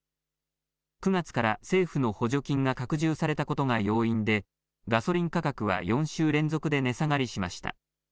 ９月から政府の補助金が拡充されたことが要因で、ガソリン価格は４週連続で値下がりしました。